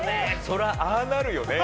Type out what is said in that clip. そりゃああなるよね。